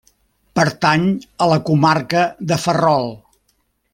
Pertany a la comarca de Ferrol.